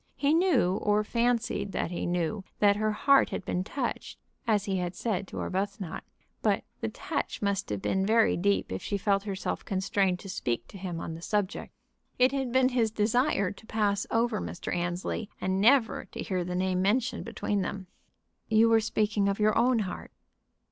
He knew, or fancied that he knew, that "her heart had been touched," as he had said to Arbuthnot. But the "touch" must have been very deep if she felt herself constrained to speak to him on the subject. It had been his desire to pass over Mr. Annesley, and never to hear the name mentioned between them. "You were speaking of your own heart."